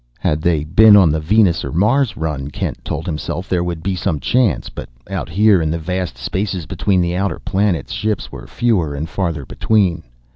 Had they been on the Venus or Mars run, Kent told himself, there would be some chance, but out here in the vast spaces, between the outer planets, ships were fewer and farther between.